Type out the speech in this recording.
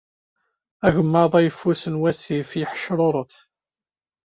Agemmaḍ ayeffus n wasif yeḥḥecruref.